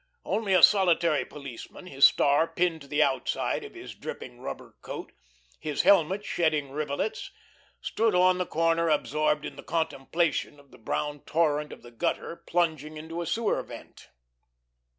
Only a solitary policeman, his star pinned to the outside of his dripping rubber coat, his helmet shedding rivulets, stood on the corner absorbed in the contemplation of the brown torrent of the gutter plunging into a sewer vent.